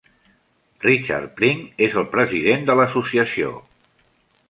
Richard Pring és el president de l'associació.